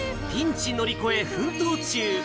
ピンチ乗り越え奮闘中！